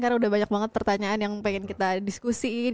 karena udah banyak banget pertanyaan yang pengen kita diskusiin